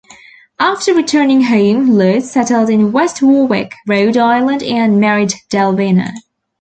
After returning home, Luz settled in West Warwick, Rhode Island and married Delvina.